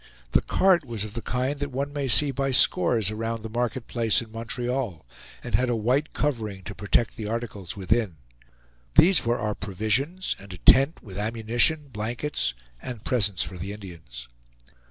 The cart was of the kind that one may see by scores around the market place in Montreal, and had a white covering to protect the articles within. These were our provisions and a tent, with ammunition, blankets, and presents for the Indians.